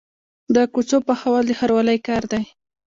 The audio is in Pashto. د کوڅو پخول د ښاروالۍ کار دی